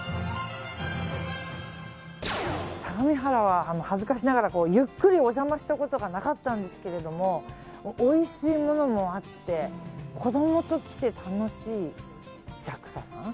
相模原は、恥ずかしながらゆっくりお邪魔したことがなかったんですけどもおいしいものもあって子供と来て楽しいＪＡＸＡさん